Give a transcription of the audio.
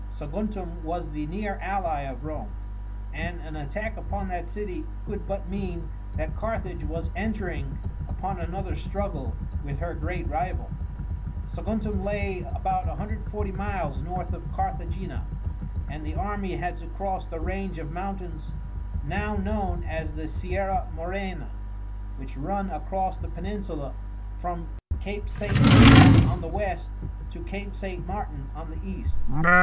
Saguntum was the near ally of Rome, and an attack upon that city could but mean that Carthage was entering upon another struggle with her great rival. Saguntum lay about 140 miles north of Carthagena, and the army had to cross the range of mountains now known as the Sierra Morena, which run across the peninsula from Cape St. Vincent on the west to Cape St. Martin on the east.